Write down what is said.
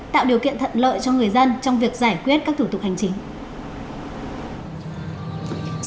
tạo điều kiện thuận lợi cho người dân trong việc giải quyết các thủ tục hành chính